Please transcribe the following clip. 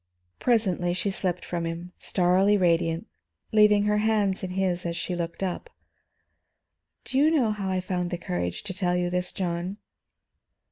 Presently she slipped from him, starrily radiant, leaving her hands in his as she looked up. "Do you know how I found courage to tell you this, John?"